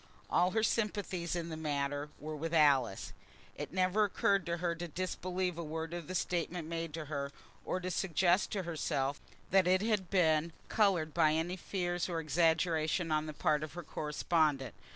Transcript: All her sympathies in the matter were with Alice. It never occurred to her to disbelieve a word of the statement made to her, or to suggest to herself that it had been coloured by any fears or exaggerations on the part of her correspondent.